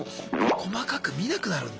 細かく見なくなるんだ。